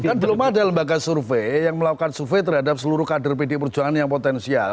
kan belum ada lembaga survei yang melakukan survei terhadap seluruh kader pdi perjuangan yang potensial